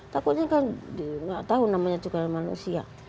takutnya kan nggak tahu namanya juga manusia